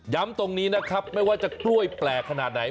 ตรงนี้นะครับไม่ว่าจะกล้วยแปลกขนาดไหน